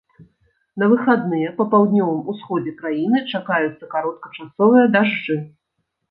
На выхадныя па паўднёвым усходзе краіны чакаюцца кароткачасовыя дажджы.